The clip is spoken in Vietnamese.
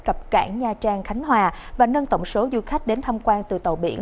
cập cảng nha trang khánh hòa và nâng tổng số du khách đến tham quan từ tàu biển